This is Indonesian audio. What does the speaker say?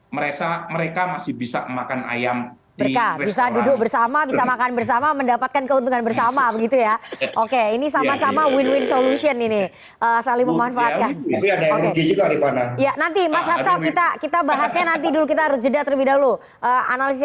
mereka masih bisa makan ayam di west nusa tenggara